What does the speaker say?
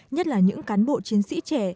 nhất là những cán bộ chiến sĩ trẻ